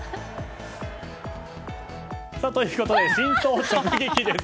ということで、真相直撃です！